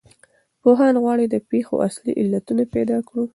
پوهان غواړي د پېښو اصلي علتونه پیدا کړو.